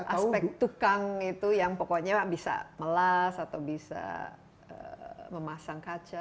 aspek tukang itu yang pokoknya bisa melas atau bisa memasang kaca